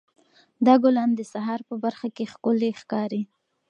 دا ګلان د سهار په پرخه کې ښکلي ښکاري.